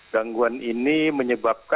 gangguan ini menyebabkan